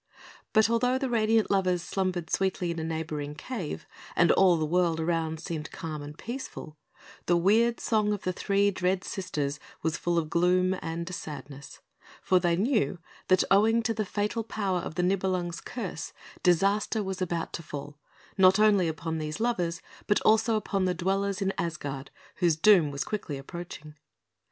But although the radiant lovers slumbered sweetly in a neighbouring cave, and all the world around seemed calm and peaceful, the weird song of the three dread Sisters was full of gloom and sadness; for they knew that, owing to the fatal power of the Nibelung's curse, disaster was about to fall, not only upon these lovers, but also upon the dwellers in Asgard, whose doom was quickly approaching.